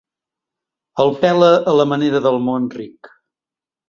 El pela a la manera del món ric.